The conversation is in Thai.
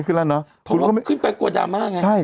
เพราะว่าขึ้นไปกลัวดราม่าไง